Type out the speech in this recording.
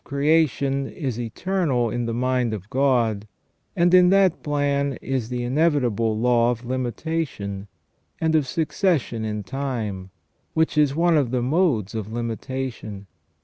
creation is eternal in the mind of God, and in that plan is the inevitable law of limitation, and of succession in time, which is one of the modes of limitation.